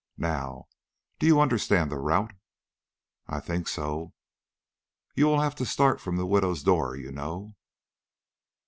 Now, do you understand the route?" "I think so." "You will have to start from the widow's door, you know?"